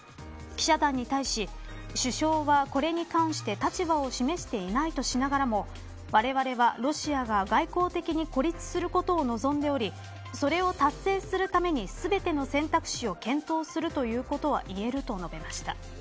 記者団に対し首相は、これに関して立場を示していないとしながらもわれわれはロシアが外交的に孤立することを望んでおりそれを達成するために全ての選択肢を検討するということはいえると述べました。